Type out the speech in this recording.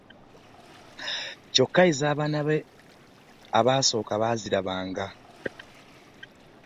kyokka eza abaana be abasooka baazirabanga.